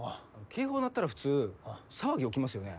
警報が鳴ったら普通騒ぎ起きますよね？